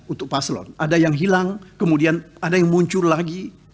untuk paslon ada yang hilang kemudian ada yang muncul lagi